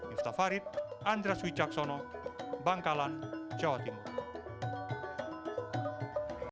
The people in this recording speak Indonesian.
iftafarit andras wicaksono bangkalan jawa timur